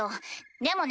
でもね